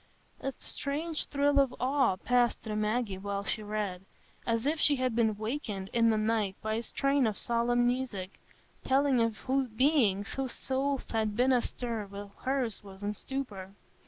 A strange thrill of awe passed through Maggie while she read, as if she had been wakened in the night by a strain of solemn music, telling of beings whose souls had been astir while hers was in stupor.